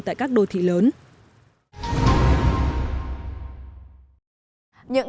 tại các đô thị lớn